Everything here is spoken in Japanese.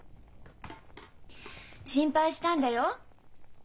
心配したんだよ。